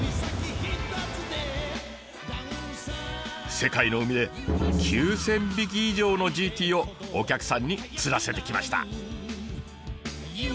世界の海で９０００匹以上のＧＴをお客さんに釣らせてきました。